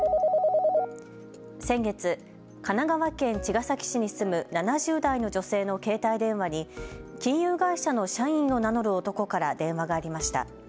先月、神奈川県茅ヶ崎市に住む７０代の女性の携帯電話に金融会社の社員を名乗る男から電話がありました。